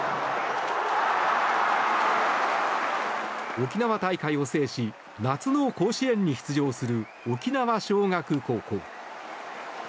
沖縄大会を制し夏の甲子園に出場する沖縄尚学高校。